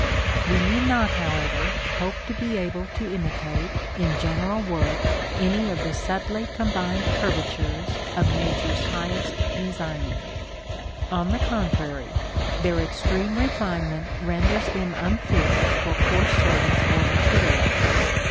We need not, however, hope to be able to imitate, in general work, any of the subtly combined curvatures of nature's highest designing: on the contrary, their extreme refinement renders them unfit for coarse service or material.